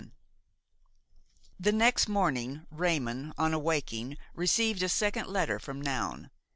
VII The next morning Raymon, on waking, received a second letter from Noun.